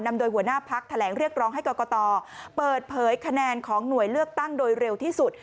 โดยหัวหน้าพักแถลงเรียกร้องให้กรกตเปิดเผยคะแนนของหน่วยเลือกตั้งโดยเร็วที่สุด